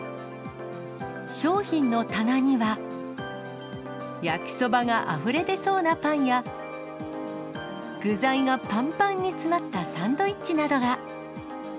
商品の棚には、焼きそばがあふれ出そうなパンや、具材がぱんぱんに詰まったサンドイッチなどが。